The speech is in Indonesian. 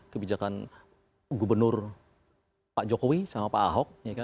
kebijakan gubernur pak jokowi sama pak ahok